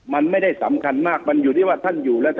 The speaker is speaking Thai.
มันไม่ได้สำคัญมากมันอยู่ที่ว่าท่านอยู่แล้ว